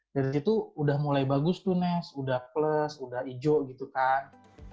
dari situ udah mulai bagus tuh nes udah plus udah hijau gitu kan